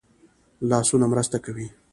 لاسونه مرسته کوي